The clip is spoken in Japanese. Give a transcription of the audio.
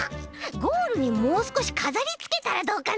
ゴールにもうすこしかざりつけたらどうかな？